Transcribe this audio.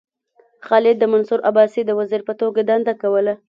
خالد د منصور عباسي د وزیر په توګه دنده کوله.